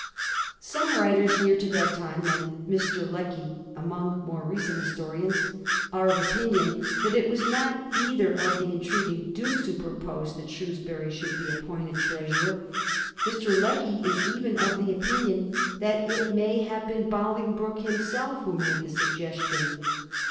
Some writers near to that time, and Mr. Lecky among more recent historians, are of opinion that it was not either of the intruding dukes who proposed that Shrewsbury should be ap pointed Treasurer. Mr. Lecky is even of opinion that it may have been Bolingbroke himself who made the suggestion.